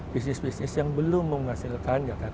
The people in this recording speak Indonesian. bisnis bisnis yang belum menghasilkan